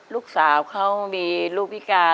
ลูกสาวเขามีลูกพิการ